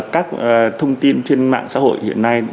các thông tin trên mạng xã hội hiện nay